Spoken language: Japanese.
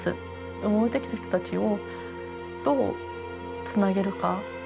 埋もれてきた人たちをどうつなげるか。